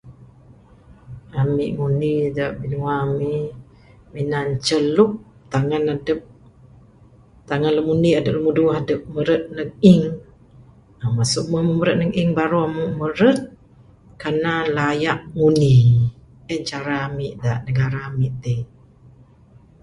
Ami ngundi da binua ami minan celup tangan adep. Tangan lumur indi lumur duweh adep, meret neg ink. Masu ne meret neg ink baru amu meret kanan layak ngundi. En cara ami da negara ami ti.